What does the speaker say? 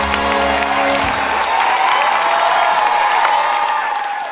โทรกระซิบเบาว่าคิดถึงสักครึ่งนาที